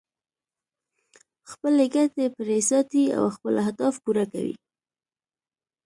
خپلې ګټې پرې ساتي او خپل اهداف پوره کوي.